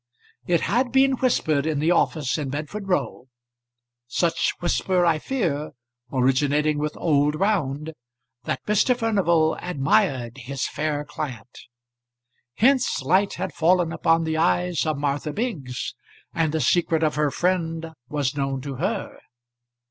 It had been whispered in the office in Bedford Row such whisper I fear originating with old Round that Mr. Furnival admired his fair client. Hence light had fallen upon the eyes of Martha Biggs, and the secret of her friend was known to her.